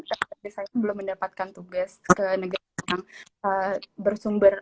tapi saya belum mendapatkan tugas ke negara yang bersumber